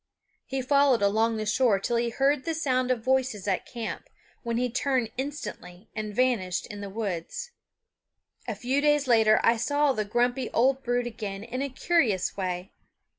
He followed along the shore till he heard the sound of voices at camp, when he turned instantly and vanished in the woods. A few days later I saw the grumpy old brute again in a curious way.